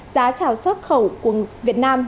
giá trào xuất khẩu của việt nam